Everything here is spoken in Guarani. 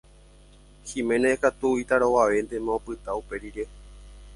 Giménez katu itarovavéntema opyta uperire.